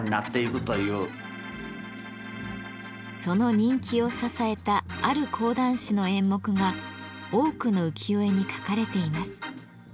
その人気を支えたある講談師の演目が多くの浮世絵に描かれています。